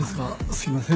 すいません。